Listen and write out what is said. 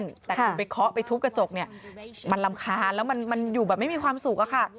แต่คุณไปเคาะไปทุบกระจกเนี่ยมันรำคาญแล้วมันอยู่แบบไม่มีความสุขอะค่ะ